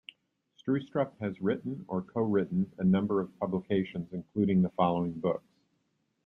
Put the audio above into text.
Stroustrup has written or co-written a number of publications including the following books.